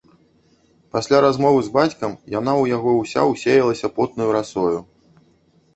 Пасля размовы з бацькам яна ў яго ўся ўсеялася потнаю расою.